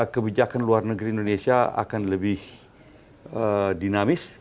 kebijakan luar negeri indonesia akan lebih dinamis